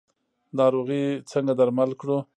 ناروغي څنګه درمل کړو؟